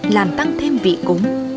làm tăng thêm vị cốm